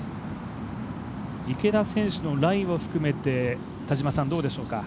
池田選手のライを含めてどうでしょうか？